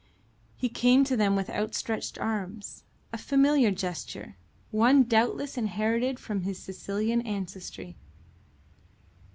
He came to them with outstretched arms a familiar gesture, one doubtless inherited from his Sicilian ancestry.